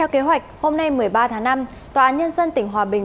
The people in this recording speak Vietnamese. kế hoạch hôm nay một mươi ba tháng năm tòa án nhân dân tỉnh hòa bình